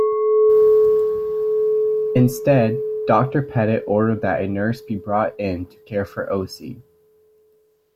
Instead, Doctor Pettit ordered that a nurse be brought in to care for Ocey.